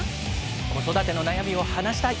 子育ての悩みを話したい。